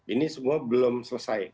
ini semua belum selesai